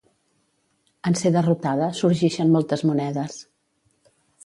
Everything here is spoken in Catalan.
En ser derrotada sorgixen moltes monedes.